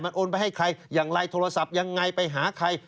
โอนไปให้ใครอย่างไรโทรศัพท์ยังไงไปหาใคร